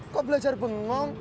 kok belajar bengong